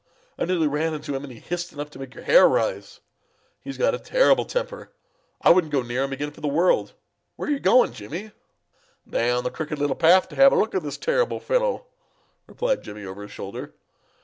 Ugh! I nearly ran into him, and he hissed enough to make your hair rise. He's got a terrible temper. I wouldn't go near him again for the world. Where are you going, Jimmy?" "Down the Crooked Little Path to have a look at this terrible fellow," replied Jimmy over his shoulder.